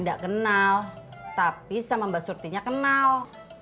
tidak kenal tapi sama mbak surtinya kenal